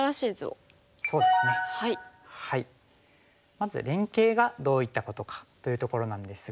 まず連携がどういったことかというところなんですが。